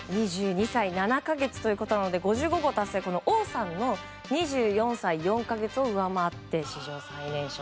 ２２歳７か月ということなので５５号達成王さんの２４歳４か月を上回って、史上最年少。